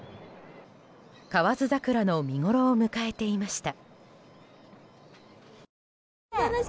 河津桜の見ごろを迎えていました。